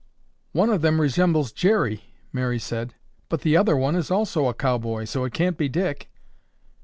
"One of them resembles Jerry," Mary said, "but the other one is also a cowboy, so it can't be Dick."